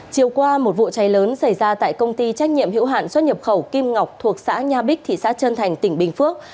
chiều qua một vụ cháy lớn xảy ra tại công ty trách nhiệm hiệu hạn xuất nhập khẩu kim ngọc thuộc xã nha bích thị xã trân thành tỉnh bình phước